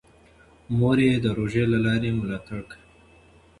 مور یې د روژې له لارې ملاتړ کوي.